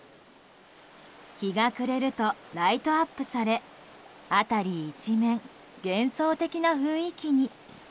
日が暮れると、ライトアップされ辺り一面、幻想的な雰囲気に。